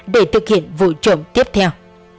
để thực hiện vụ trộm tiếp theo